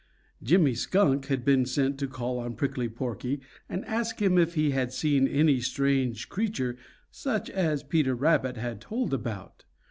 Jimmy Skunk had been sent to call on Prickly Porky and ask him if he had seen any strange creature such as Peter Rabbit had told about.